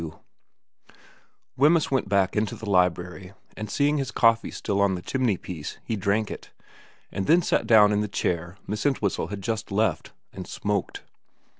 XXXII WEMYSS went back into the library, and seeing his coffee still on the chimney piece he drank it, and then sat down in the chair Miss Entwhistle had just left, and smoked.